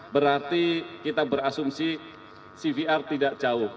berarti kita berasumsi cvr tidak jauh